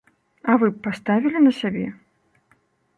А вы б паставілі на сябе?